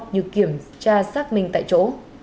như kiểm tra xác minh tại chỗ